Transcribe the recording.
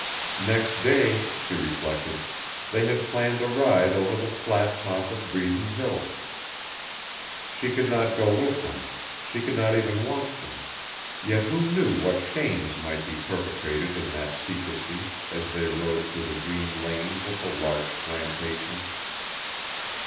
Next day, she reflected, they had planned a ride over the flat top of Bredon Hill. She could not go with them; she could not even watch them; yet who knew what shames might be perpetrated in that secrecy as they rode through the green lanes of the larch plantations?